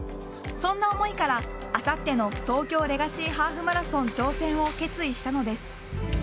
そんな思いからあさっての東京レガシーハーフマラソン挑戦を決意したのです。